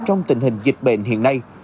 trong tình hình dịch bệnh hiện nay